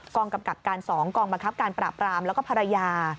กำกับการ๒กองบังคับการปราบรามแล้วก็ภรรยา